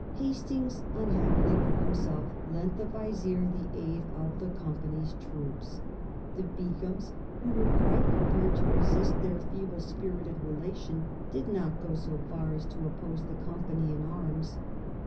Hastings, unhappily for himself, lent the Vizier the aid of the Company's troops. The Begums, who were quite prepared to resist their feeble spirited relation, did not go so far as to oppose the Company in arms.